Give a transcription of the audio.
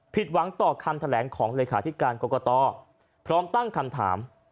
หวังต่อคำแถลงของเลขาธิการกรกตพร้อมตั้งคำถาม